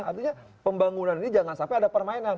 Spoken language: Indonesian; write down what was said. artinya pembangunan ini jangan sampai ada permainan